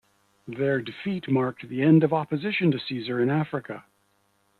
Their defeat marked the end of opposition to Caesar in Africa.